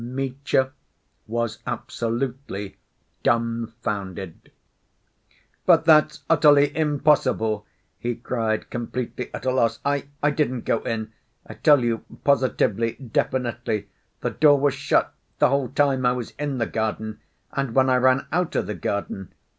Mitya was absolutely dumbfounded. "But that's utterly impossible!" he cried, completely at a loss. "I ... I didn't go in.... I tell you positively, definitely, the door was shut the whole time I was in the garden, and when I ran out of the garden.